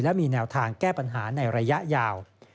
และมีแนวทางแก้ปัญหาในระยะยาว